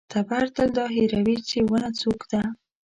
تبر تل دا هېروي چې ونه څوک ده.